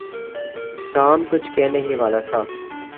Tom کچھ کہنے ہی والا تھا۔